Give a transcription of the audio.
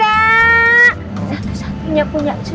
satu satunya punya susu